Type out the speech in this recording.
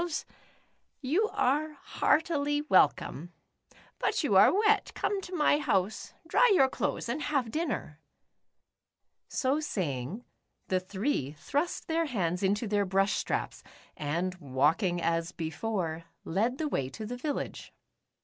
152 The Upsidedownians. you are heartily welcome. But you are wet, come to my house, dry your clothes and have dinner." So saying, the three thrust their hands into their brush straps, and walking as before, led the way to the village.